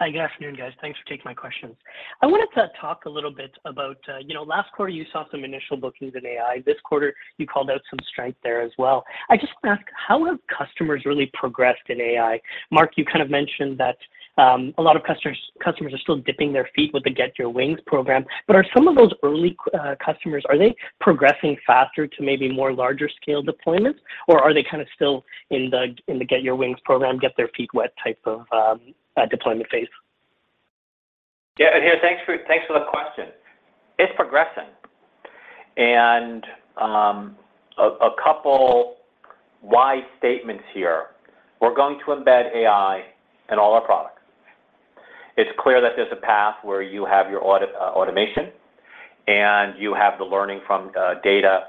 Speaker 9: Hi, good afternoon, guys. Thanks for taking my questions. I wanted to talk a little bit about, you know, last quarter, you saw some initial bookings in AI. This quarter, you called out some strength there as well. I just want to ask, how have customers really progressed in AI? Mark, you kind of mentioned that, a lot of customers are still dipping their feet with the Get Your Wings program. But are some of those early customers, are they progressing faster to maybe more larger scale deployments, or are they kind of still in the Get Your Wings program, get their feet wet type of deployment phase?
Speaker 3: Yeah, Abhir, thanks for the question. It's progressing. And a couple why statements here. We're going to embed AI in all our products. It's clear that there's a path where you have your auto automation, and you have the learning from data.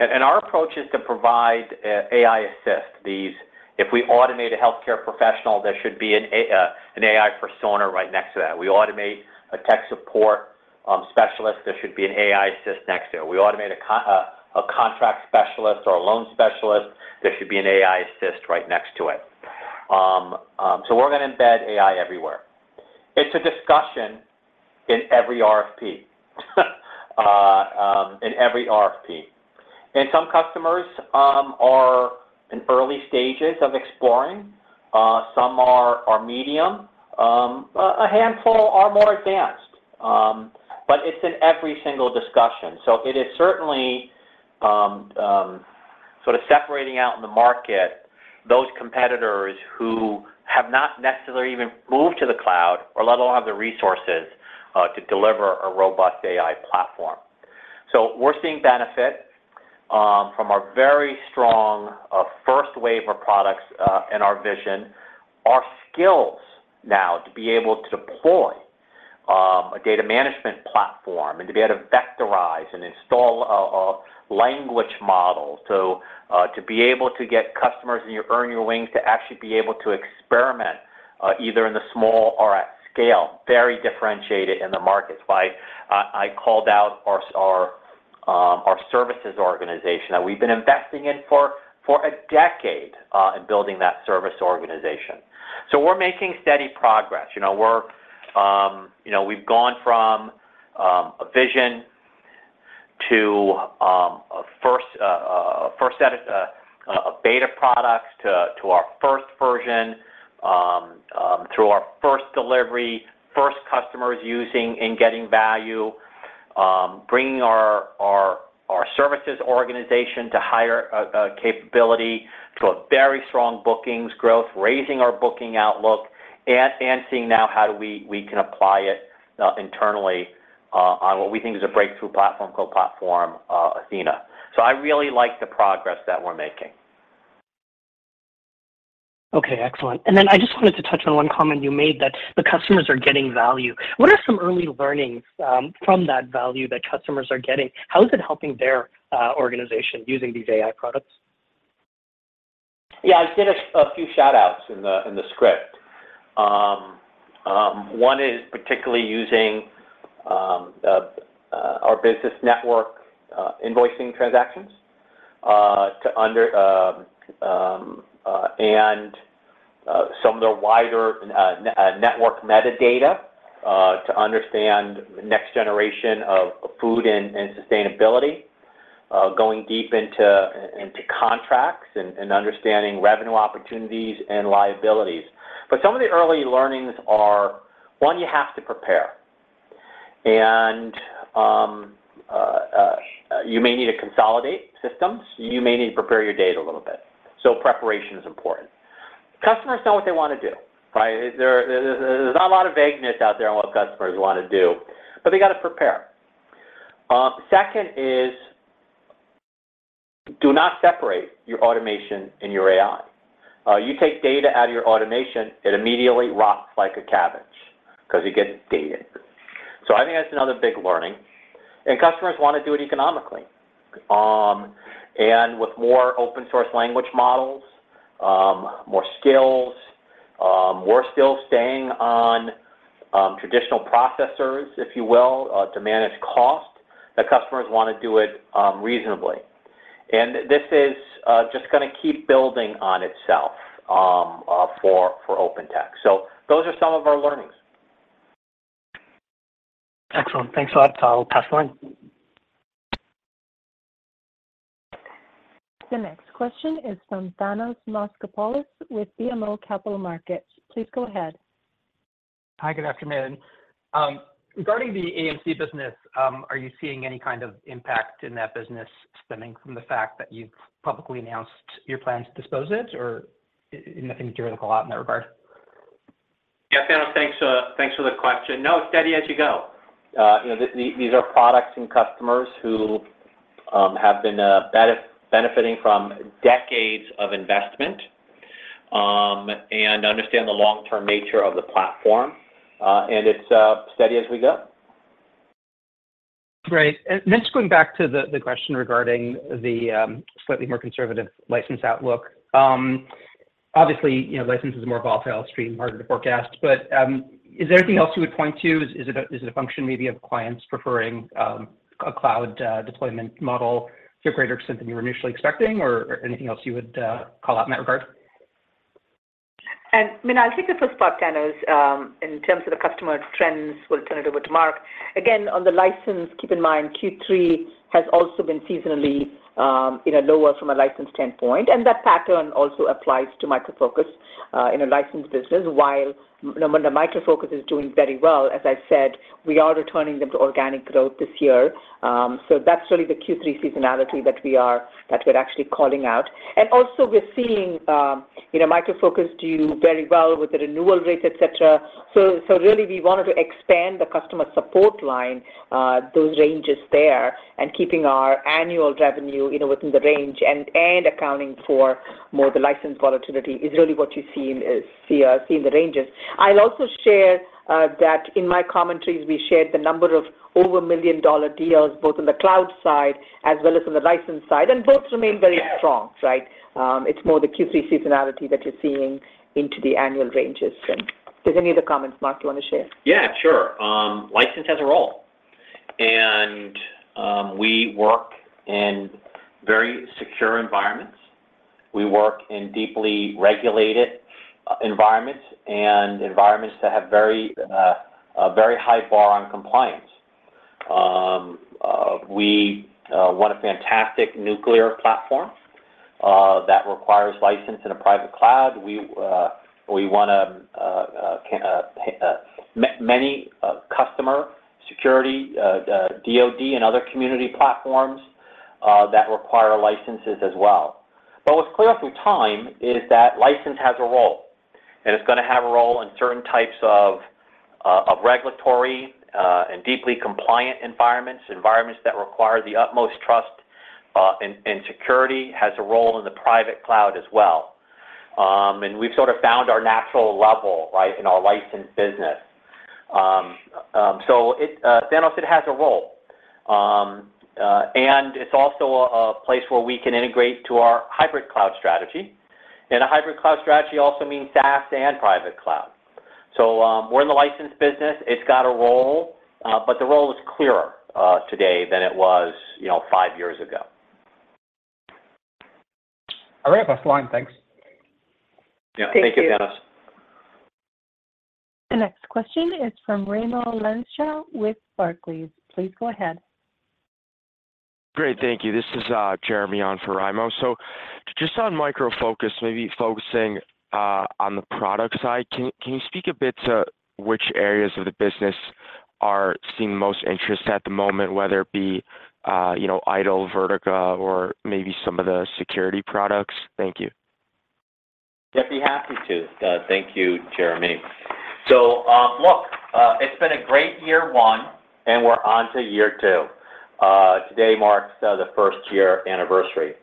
Speaker 3: And our approach is to provide an AI assist. These. If we automate a healthcare professional, there should be an AI persona right next to that. We automate a tech support specialist, there should be an AI assist next to it. We automate a contract specialist or a loan specialist, there should be an AI assist right next to it. So we're gonna embed AI everywhere. It's a discussion in every RFP in every RFP. And some customers are in early stages of exploring, some are medium, a handful are more advanced, but it's in every single discussion. So it is certainly sort of separating out in the market those competitors who have not necessarily even moved to the cloud or let alone have the resources to deliver a robust AI platform. So we're seeing benefit from our very strong first wave of products and our vision, our skills now to be able to deploy a data management platform, and to be able to vectorize and install a language model. So to be able to get customers in your Earn Your Wings to actually be able to experiment either in the small or at scale, very differentiated in the markets. Why I called out our our-... Our services organization that we've been investing in for a decade in building that service organization. So we're making steady progress. You know, we're, you know, we've gone from a vision to a first set of a beta product to our first version through our first delivery, first customers using and getting value, bringing our services organization to higher capability, to a very strong bookings growth, raising our booking outlook, and seeing now how we can apply it internally on what we think is a breakthrough platform called Platform Athena. So I really like the progress that we're making.
Speaker 9: Okay, excellent. And then I just wanted to touch on one comment you made, that the customers are getting value. What are some early learnings from that value that customers are getting? How is it helping their organization using these AI products?
Speaker 3: Yeah, I did a few shout-outs in the script. One is particularly using our Business Network invoicing transactions to understand and some of the wider network metadata to understand next generation of food and sustainability, going deep into contracts and understanding revenue opportunities and liabilities. But some of the early learnings are, one, you have to prepare. You may need to consolidate systems, you may need to prepare your data little bit. So preparation is important. Customers know what they wanna do, right? There's not a lot of vagueness out there on what customers wanna do, but they gotta prepare. Second is, do not separate your automation and your AI. You take data out of your automation, it immediately rots like a cabbage, because it gets dated. So I think that's another big learning, and customers wanna do it economically. And with more open source language models, more skills, more still staying on traditional processors, if you will, to manage cost, the customers wanna do it reasonably. And this is just gonna keep building on itself for OpenText. So those are some of our learnings.
Speaker 9: Excellent. Thanks a lot, I'll pass the line.
Speaker 1: The next question is from Thanos Moschopoulos with BMO Capital Markets. Please go ahead.
Speaker 10: Hi, good afternoon. Regarding the AMC business, are you seeing any kind of impact in that business stemming from the fact that you've publicly announced your plan to dispose it, or anything to call out in that regard?
Speaker 3: Yeah, Thanos, thanks for the question. No, steady as you go. You know, these are products and customers who have been benefiting from decades of investment and understand the long-term nature of the platform, and it's steady as we go.
Speaker 10: Great. And just going back to the question regarding the slightly more conservative license outlook. Obviously, you know, license is a more volatile stream, harder to forecast, but is there anything else you would point to? Is it a function maybe of clients preferring a cloud deployment model to a greater extent than you were initially expecting, or anything else you would call out in that regard?
Speaker 4: I mean, I'll take the first part, Thanos, in terms of the customer trends, we'll turn it over to Mark. Again, on the license, keep in mind, Q3 has also been seasonally, you know, lower from a license standpoint, and that pattern also applies to Micro Focus in a license business. While Micro Focus is doing very well, as I said, we are returning them to organic growth this year. So that's really the Q3 seasonality that we're actually calling out. And also we're seeing, you know, Micro Focus do very well with the renewal rates, et cetera. So, so really we wanted to expand the customer support line, those ranges there, and keeping our annual revenue, you know, within the range, and, and accounting for more of the license volatility, is really what you see in the ranges. I'll also share that in my commentaries, we shared the number of over $1 million deals, both on the cloud side as well as on the license side, and both remain very strong, right? It's more the Q3 seasonality that you're seeing into the annual ranges. So does any of the comments, Mark, you wanna share?
Speaker 3: Yeah, sure. License has a role, and we work in very secure environments. We work in deeply regulated environments and environments that have a very high bar on compliance. We want a fantastic nuclear platform that requires license in a private cloud. We want many customer security DOD and other community platforms that require licenses as well. But what's clear through time is that license has a role, and it's gonna have a role in certain types of regulatory and deeply compliant environments, environments that require the utmost trust and security has a role in the private cloud as well. And we've sort of found our natural level, right, in our licensed business. So it, Thanos, has a role. And it's also a place where we can integrate to our hybrid cloud strategy, and a hybrid cloud strategy also means SaaS and private cloud. So, we're in the license business. It's got a role, but the role is clearer today than it was, you know, five years ago. All right, thanks, line. Thanks. Yeah, thank you, Dennis.
Speaker 4: Thank you.
Speaker 1: The next question is from Raimo Lenschow with Barclays. Please go ahead.
Speaker 11: Great, thank you. This is Jeremy on for Raimo. So just on Micro Focus, maybe focusing on the product side, can you speak a bit to which areas of the business are seeing the most interest at the moment, whether it be, you know, IDOL, Vertica, or maybe some of the security products? Thank you.
Speaker 3: Yep, be happy to. Thank you, Jeremy. So, look, it's been a great year one, and we're on to year two. Today marks the first year anniversary.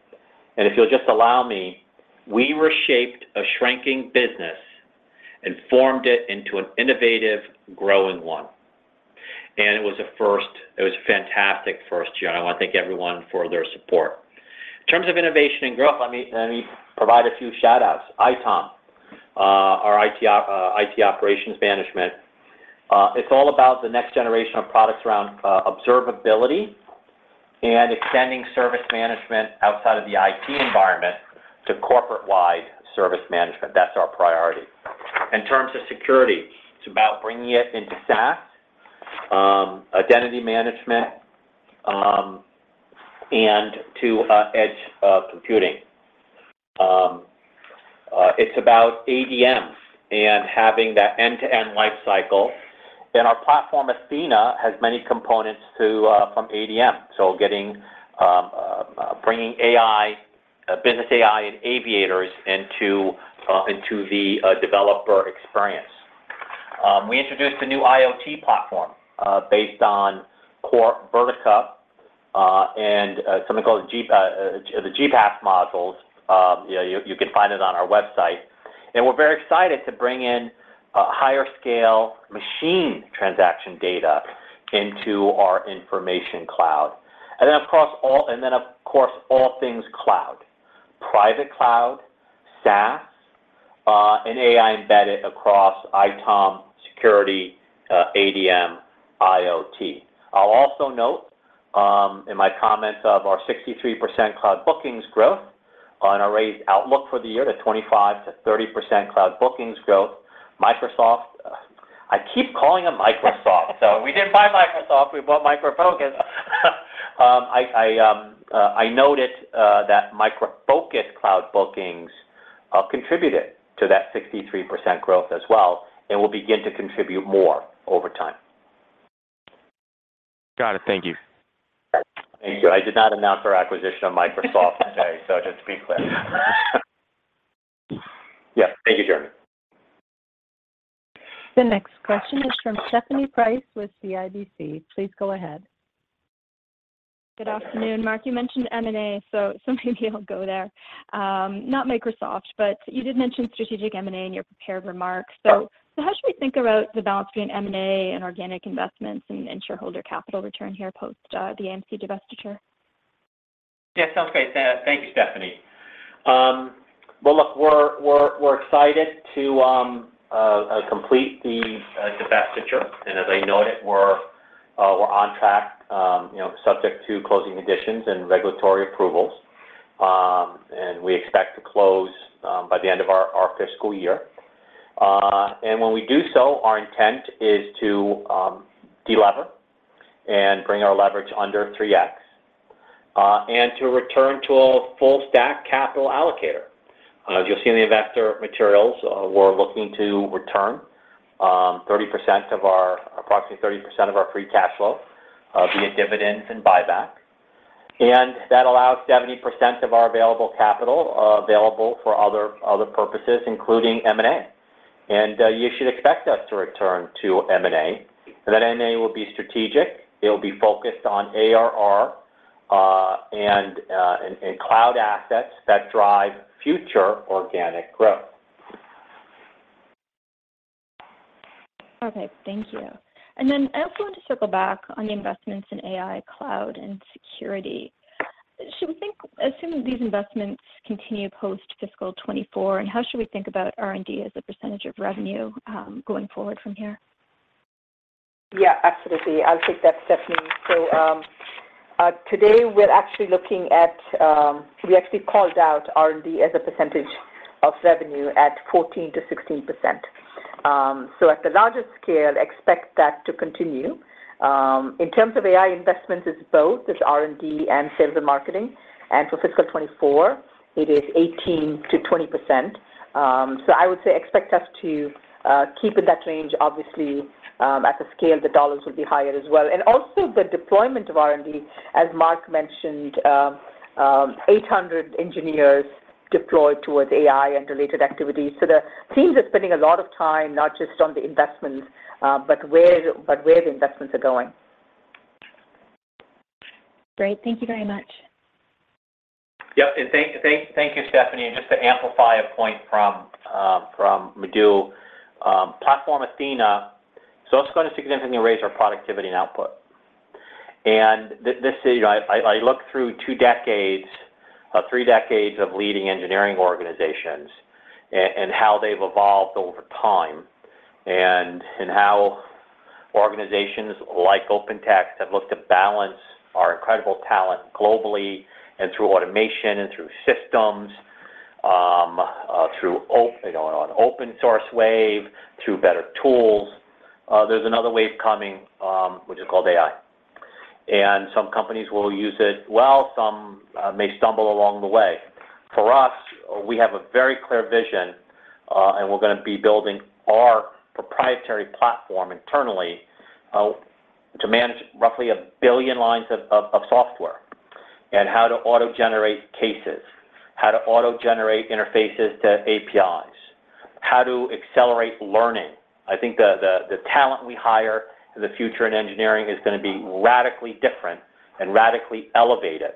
Speaker 3: If you'll just allow me, we reshaped a shrinking business and formed it into an innovative, growing one. It was a first. It was a fantastic first year, and I want to thank everyone for their support. In terms of innovation and growth, let me provide a few shoutouts. ITOM, our IT operations management. It's all about the next generation of products around observability and extending service management outside of the IT environment to corporate-wide service management. That's our priority. In terms of security, it's about bringing it into SaaS, identity management, and to edge computing. It's about ADMs and having that end-to-end life cycle. Our platform, Athena, has many components from ADM. So bringing AI, business AI and Aviator into the developer experience. We introduced a new IoT platform based on core Vertica and something called CP, the CPAAS modules. Yeah, you can find it on our website. And we're very excited to bring in a higher scale machine transaction data into our information cloud. And then, of course, all things cloud, private cloud, SaaS and AI embedded across ITOM, security, ADM, IoT. I'll also note in my comments of our 63% cloud bookings growth on our raised outlook for the year to 25%-30% cloud bookings growth. Microsoft, I keep calling them Microsoft. So we didn't buy Microsoft, we bought Micro Focus. I noted that Micro Focus cloud bookings contributed to that 63% growth as well, and will begin to contribute more over time.
Speaker 11: Got it. Thank you.
Speaker 3: Thank you. I did not announce our acquisition of Microsoft today, so just to be clear. Yeah. Thank you, Jeremy.
Speaker 1: The next question is from Stephanie Price, with CIBC. Please go ahead.
Speaker 12: Good afternoon, Mark. You mentioned M&A, so maybe I'll go there. Not Microsoft, but you did mention strategic M&A in your prepared remarks. So, how should we think about the balance between M&A and organic investments, and shareholder capital return here post the AMC divestiture?
Speaker 3: Yeah, sounds great. Thank you, Stephanie. Well, look, we're excited to complete the divestiture, and as I noted, we're on track, you know, subject to closing conditions and regulatory approvals. And we expect to close by the end of our fiscal year. And when we do so, our intent is to delever and bring our leverage under 3x, and to return to a full stack capital allocator. As you'll see in the investor materials, we're looking to return approximately 30% of our free cash flow via dividends and buyback. And that allows 70% of our available capital available for other purposes, including M&A. And you should expect us to return to M&A, and that M&A will be strategic. It will be focused on ARR and cloud assets that drive future organic growth.
Speaker 12: Okay, thank you. And then I also want to circle back on the investments in AI, cloud, and security. Should we think, assuming these investments continue post-fiscal 2024, and how should we think about R&D as a percentage of revenue, going forward from here?
Speaker 4: Yeah, absolutely. I'll take that, Stephanie. So, we actually called out R&D as a percentage of revenue at 14%-16%. So at the largest scale, expect that to continue. In terms of AI investments, it's both. It's R&D and sales and marketing. And for fiscal 2024, it is 18%-20%. So I would say expect us to keep in that range. Obviously, at the scale, the dollars will be higher as well. And also the deployment of R&D, as Mark mentioned, 800 engineers deployed towards AI and related activities. So the teams are spending a lot of time, not just on the investments, but where the investments are going.
Speaker 12: Great. Thank you very much.
Speaker 3: Yep, and thank you, Stephanie. And just to amplify a point from Madhu, platform Athena, so it's going to significantly raise our productivity and output. And this, you know, I looked through two decades, three decades of leading engineering organizations and how they've evolved over time, and how organizations like OpenText have looked to balance our incredible talent globally and through automation, and through systems, through open source wave, through better tools. There's another wave coming, which is called AI, and some companies will use it well, some may stumble along the way. For us, we have a very clear vision, and we're gonna be building our proprietary platform internally, to manage roughly a billion lines of software, and how to auto-generate cases, how to auto-generate interfaces to APIs, how to accelerate learning. I think the talent we hire in the future in engineering is gonna be radically different and radically elevated.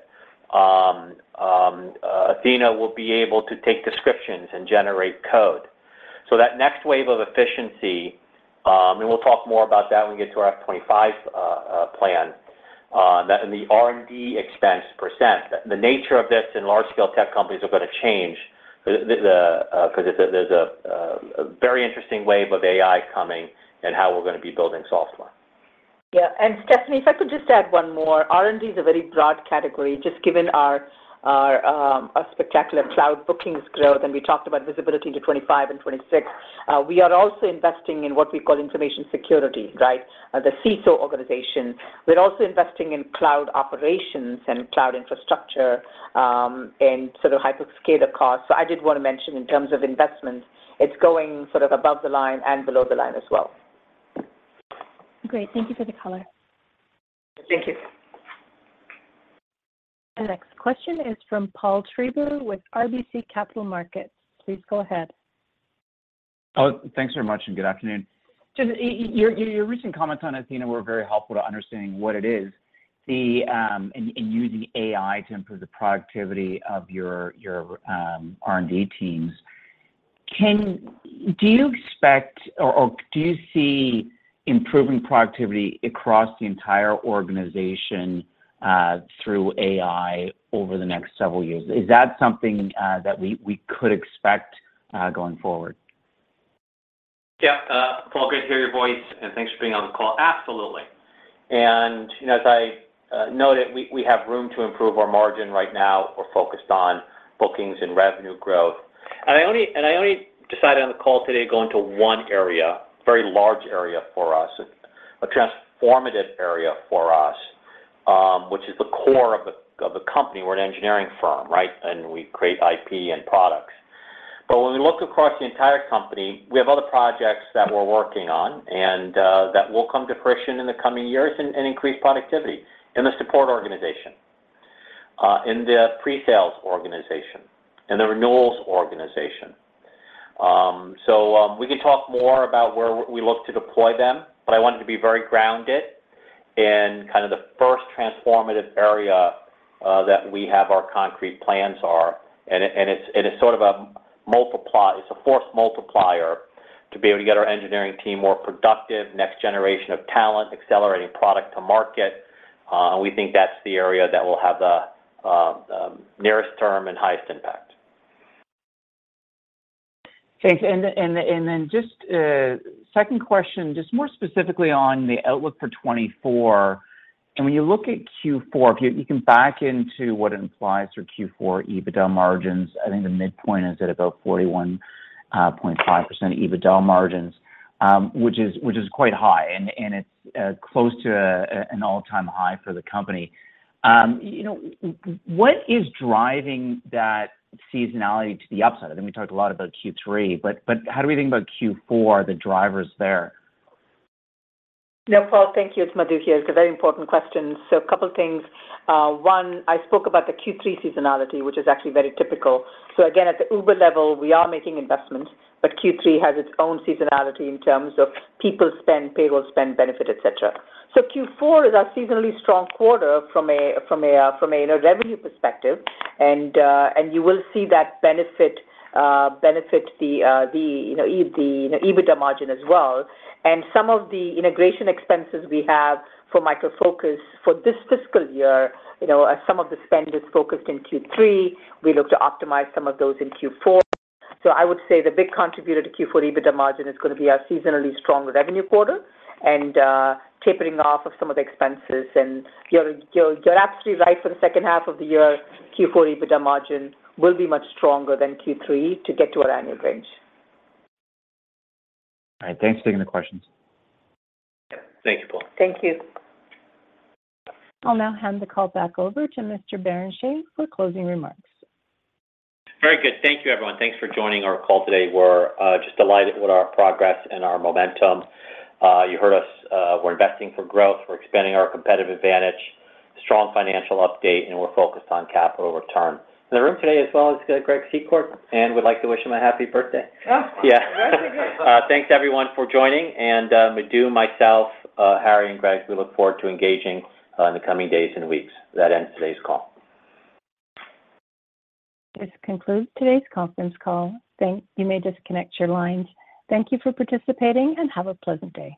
Speaker 3: Athena will be able to take descriptions and generate code. So that next wave of efficiency, and we'll talk more about that when we get to our F25 plan, that and the R&D expense %. The nature of this in large scale tech companies are gonna change, 'cause there's a very interesting wave of AI coming and how we're gonna be building software. Yeah, and Stephanie, if I could just add one more. R&D is a very broad category, just given our spectacular cloud bookings growth, and we talked about visibility into 2025 and 2026. We are also investing in what we call information security, right? The CISO organization. We're also investing in cloud operations and cloud infrastructure, and sort of hyperscaler costs. So I did wanna mention in terms of investments, it's going sort of above the line and below the line as well.
Speaker 12: Great. Thank you for the color.
Speaker 4: Thank you.
Speaker 1: The next question is from Paul Treiber with RBC Capital Markets. Please go ahead.
Speaker 13: Oh, thanks very much, and good afternoon. Just your recent comments on Athena were very helpful to understanding what it is and using AI to improve the productivity of your R&D teams. Can you expect or do you see improving productivity across the entire organization through AI over the next several years? Is that something that we could expect going forward?
Speaker 3: Yeah, Paul, good to hear your voice, and thanks for being on the call. Absolutely. And, you know, as I noted, we have room to improve our margin right now. We're focused on bookings and revenue growth. And I only, and I only decided on the call today to go into one area, very large area for us, a transformative area for us, which is the core of the company. We're an engineering firm, right? And we create IP and products. But when we look across the entire company, we have other projects that we're working on, and that will come to fruition in the coming years and increase productivity in the support organization, in the pre-sales organization, in the renewals organization. So, we can talk more about where we look to deploy them, but I wanted to be very grounded in kind of the first transformative area that we have our concrete plans are. And it's a force multiplier to be able to get our engineering team more productive, next generation of talent, accelerating product to market. And we think that's the area that will have the nearest term and highest impact.
Speaker 13: Thanks. And then just second question, just more specifically on the outlook for 2024. And when you look at Q4, if you can back into what it implies for Q4 EBITDA margins. I think the midpoint is at about 41.5% EBITDA margins, which is quite high, and it's close to an all-time high for the company. You know, what is driving that seasonality to the upside? I think we talked a lot about Q3, but how do we think about Q4, the drivers there?
Speaker 4: No, Paul, thank you. It's Madhu here. It's a very important question. So a couple things. One, I spoke about the Q3 seasonality, which is actually very typical. So again, at the uber level, we are making investments, but Q3 has its own seasonality in terms of people spend, payroll spend, benefit, et cetera. So Q4 is our seasonally strong quarter from a, from a, from a, you know, revenue perspective. And, and you will see that benefit, benefit the, the, you know, the EBITDA margin as well. And some of the integration expenses we have for Micro Focus for this fiscal year, you know, as some of the spend is focused in Q3, we look to optimize some of those in Q4. So I would say the big contributor to Q4 EBITDA margin is gonna be our seasonally stronger revenue quarter and, tapering off of some of the expenses. And you're absolutely right, for the second half of the year, Q4 EBITDA margin will be much stronger than Q3 to get to our annual range.
Speaker 13: All right. Thanks for taking the questions.
Speaker 3: Thank you, Paul.
Speaker 4: Thank you.
Speaker 1: I'll now hand the call back over to Mr. Barrenechea for closing remarks.
Speaker 3: Very good. Thank you, everyone. Thanks for joining our call today. We're just delighted with our progress and our momentum. You heard us, we're investing for growth, we're expanding our competitive advantage, strong financial update, and we're focused on capital return. In the room today, as well, is Greg Secord, and we'd like to wish him a happy birthday.
Speaker 4: Oh!
Speaker 3: Yeah. Thanks, everyone, for joining. And, Madhu, myself, Harry, and Greg, we look forward to engaging in the coming days and weeks. That ends today's call.
Speaker 1: This concludes today's conference call. You may disconnect your lines. Thank you for participating, and have a pleasant day.